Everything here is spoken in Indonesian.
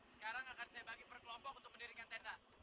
sekarang akan saya bagi per kelompok untuk mendirikan tenda